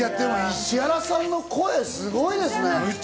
石原さんの声、すごいですね！